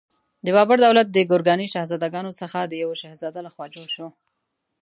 د بابر دولت د ګورکاني شهزادګانو څخه د یوه شهزاده لخوا جوړ شو.